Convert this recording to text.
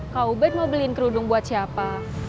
kak ubed mau beliin kerudung buat siapa